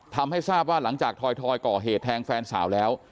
ทำให้ทราบว่าหลังจากถอยก่อเหตุแทงแฟนสาวแล้ว